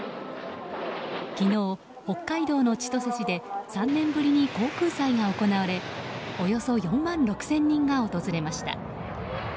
昨日、北海道の千歳市で３年ぶりに航空祭が行われおよそ４万６０００人が訪れました。